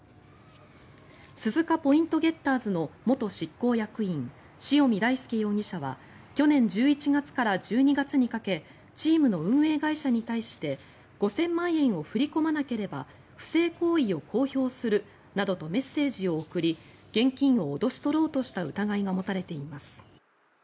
鈴鹿ポイントゲッターズの元執行役員、塩見大輔容疑者は去年１１月から１２月にかけチームの運営会社に対して５０００万円を振り込まなければ不正行為を公表するなどとメッセージを送り現金を脅し取ろうとした疑いが持たれています。